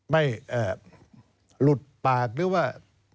ไม่หลุดปากหรือว่า